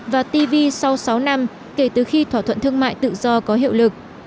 và tv sau sáu năm kể từ khi thỏa thuận thương mại tự do có hiệu lực